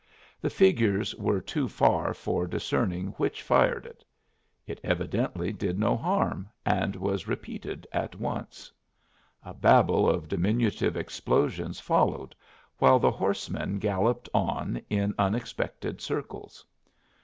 The figures were too far for discerning which fired it. It evidently did no harm, and was repeated at once. A babel of diminutive explosions followed, while the horsemen galloped on in unexpected circles.